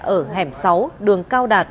ở hẻm sáu đường cao đạt